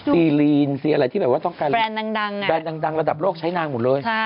ซีรีนซีอะไรที่แบบว่าต้องการแรนดดังระดับโลกใช้นางหมดเลย